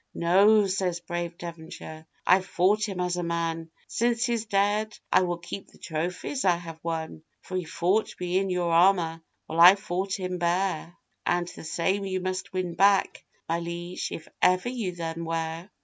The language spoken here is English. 'No,' says brave Devonshire, 'I've fought him as a man, Since he's dead, I will keep the trophies I have won; For he fought me in your armour, while I fought him bare, And the same you must win back, my liege, if ever you them wear.